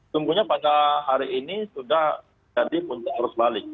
tunggunya pada hari ini sudah jadi puncak arus balik